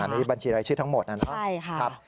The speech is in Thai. อันนี้บัญชีรายชื่อทั้งหมดนะครับ